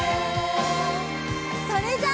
それじゃあ。